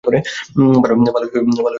ভালোই মজায় আছিস?